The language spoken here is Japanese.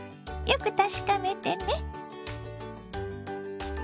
よく確かめてね。